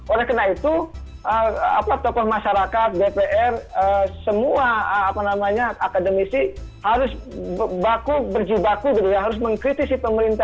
oleh karena itu tokoh masyarakat bpr semua akademisi harus berjibaku harus mengkritisi pemerintah